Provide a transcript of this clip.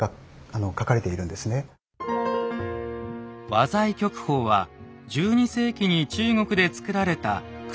「和剤局方」は１２世紀に中国で作られた薬の処方集。